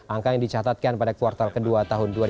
angka yang dicatatkan pada kuartal kedua tahun dua ribu dua puluh